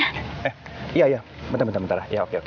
eh iya iya bentar bentar bentar ya oke oke